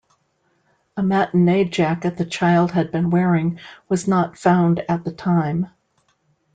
A matinee jacket the child had been wearing was not found at the time.